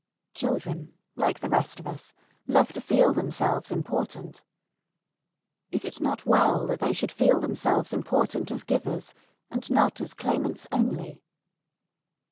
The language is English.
Children, like the rest of us, love to feel themselves important. Is it not well that they should feel themselves important as givers, and not as claimants only?